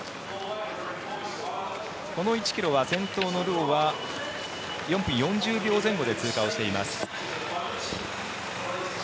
この１ｋｍは先頭のラ・アトウは４分４０秒前後で通過しています。